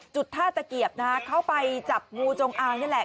ท่าตะเกียบนะฮะเข้าไปจับงูจงอางนี่แหละ